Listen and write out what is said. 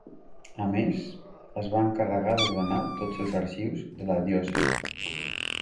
A més, es va encarregar d'ordenar tots els arxius de la diòcesi.